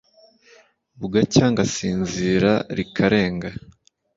bugacya ngasingiza rikarenga.